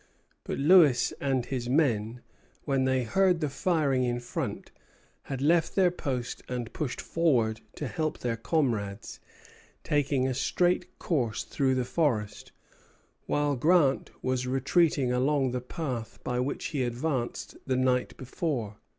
But Lewis and his men, when they heard the firing in front, had left their post and pushed forward to help their comrades, taking a straight course through the forest; while Grant was retreating along the path by which he had advanced the night before.